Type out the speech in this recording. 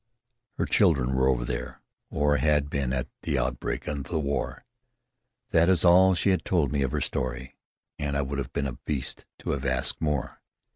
Her children were over there, or had been at the outbreak of the war. That is all that she told me of her story, and I would have been a beast to have asked more.